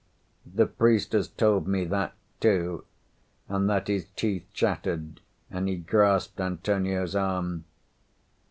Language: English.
The priest has told me that, too, and that his teeth chattered and he grasped Antonio's arm.